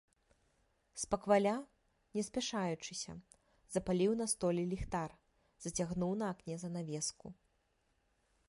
Спакваля, не спяшаючыся, запаліў на столі ліхтар, зацягнуў на акне занавеску.